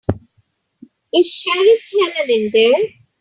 Is Sheriff Helen in there?